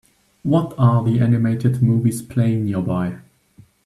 What are the animated movies playing nearby